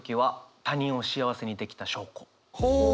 ほう。